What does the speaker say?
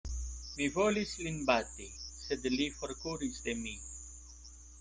Mi volis lin bati, sed li forkuris de mi.